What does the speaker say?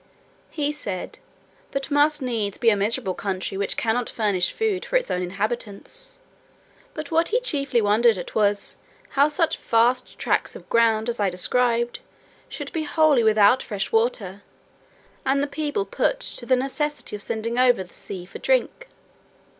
He said "that must needs be a miserable country which cannot furnish food for its own inhabitants. But what he chiefly wondered at was, how such vast tracts of ground as I described should be wholly without fresh water, and the people put to the necessity of sending over the sea for drink."